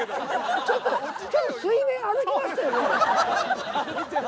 ちょっとちょっと水面歩きましたよね？